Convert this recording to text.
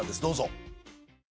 どうぞ。